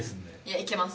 いけます？